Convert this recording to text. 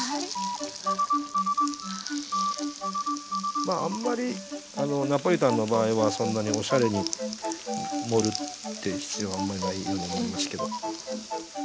まああんまりナポリタンの場合はそんなにおしゃれに盛るって必要はあんまりないように思いますけど。